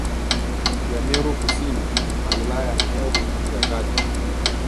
ya Meru Kusini na wilaya ya Meru ya Kati